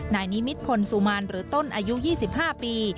นายนิมิตพลสุมานหรือต้นอายุ๒๕ปี